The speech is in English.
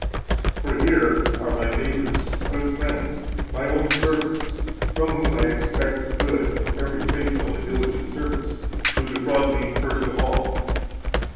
For here are my neighbors, good friends, my own servants, from whom I expect good [every faithful and diligent service], who defraud me first of all.